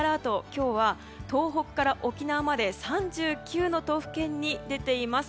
今日は東北から沖縄まで３９の都府県に出ています。